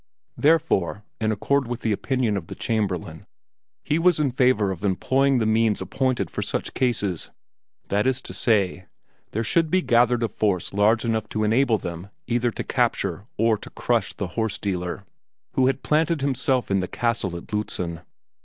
Therefore, in accord with the opinion of the Chamberlain, he was in favor of employing the means appointed for such cases that is to say, there should be gathered a force large enough to enable them either to capture or to crush the horse dealer, who had planted himself in the castle at Lützen.